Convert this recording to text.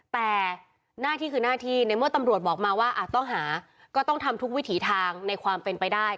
แต่หน้าที่คือหน้าที่ในเมื่อตำรวจบอกมาว่าต้องหาก็ต้องทำทุกวิถีทางในความเป็นไปได้